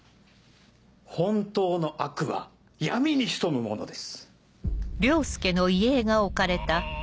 本当の悪は闇に潜むものです。